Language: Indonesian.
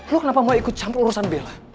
lu kenapa mau ikut campur urusan bella